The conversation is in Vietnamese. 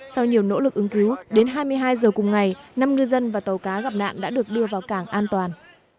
sau nhiều nỗ lực ứng cứu đến hai mươi hai giờ cùng ngày năm ngư dân và tàu cá gặp nạn đã được đưa vào cảng an toàn